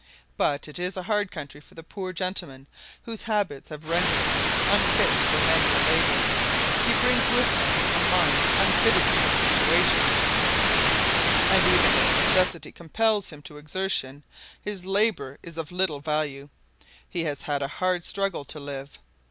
But it is a hard country for the poor gentleman, whose habits have rendered him unfit for manual labour. He brings with him a mind unfitted to his situation; and even if necessity compels him to exertion, his labour is of little value. He has a hard struggle to live.